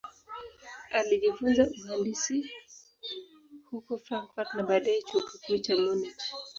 Alijifunza uhandisi huko Frankfurt na baadaye Chuo Kikuu cha Munich.